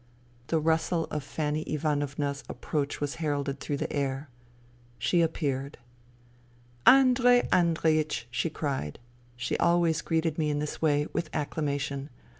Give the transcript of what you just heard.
The rustle of Fanny Ivanovna's approach was heralded through the air. She appeared. " Andrei Andreiech !" she cried. She always greeted me in this way, with acclamation.